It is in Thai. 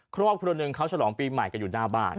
ครอบครัวหนึ่งเขาฉลองปีใหม่กันอยู่หน้าบ้าน